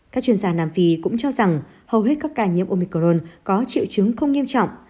các chuyên gia nam phi cũng cho rằng hầu hết các ca nhiễm omicrone có triệu chứng không nghiêm trọng